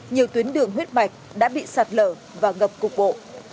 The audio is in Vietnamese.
nhiều tuyến đường huyết mạch đã bị sạt lở và ngập cục bộ